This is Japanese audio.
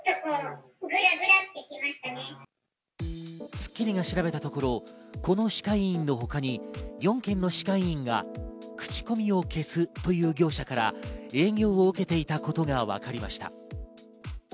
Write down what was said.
『スッキリ』が調べたところ、この歯科医院の他に４件の歯科医院が口コミを消すという業者から営業を受けていたことが分かりました。